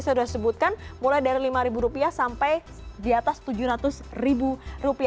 saya sudah sebutkan mulai dari rp lima sampai di atas rp tujuh ratus